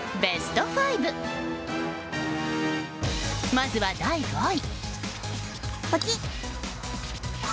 まずは第５位。